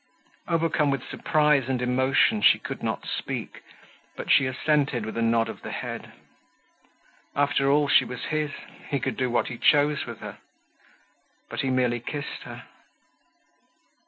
Overcome with surprise and emotion she could not speak, but she assented with a nod of the head. After all she was his; he could do what he chose with her. But he merely kissed her.